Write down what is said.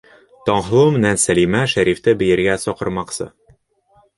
Таңһылыу менән Сәлимә Шәрифте бейергә саҡырмаҡсы.